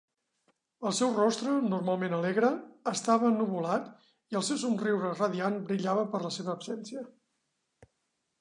El seu rostre, normalment alegre, estava ennuvolat i el seu somriure radiant brillava per la seva absència.